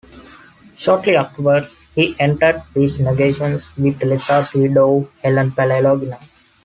Shortly afterwards, he entered peace negotiations with Lazar's widow, Helen Palaiologina.